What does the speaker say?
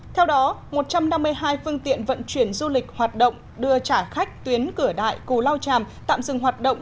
theo đó một trăm năm mươi hai phương tiện vận chuyển du lịch hoạt động đưa trả khách tuyến cửa đại cù lao tràm tạm dừng hoạt động